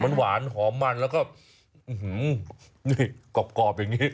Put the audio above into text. มันหวานหอมมันแล้วก็นี่กรอบอย่างนี้